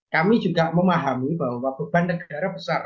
kami juga memahami bahwa beban negara besar